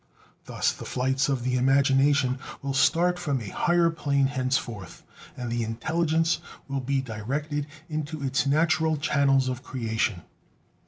Thus the flights of the imagination will start from a higher plane henceforth, and the intelligence will be directed into its natural channels of creation.